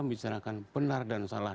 bicarakan benar dan salah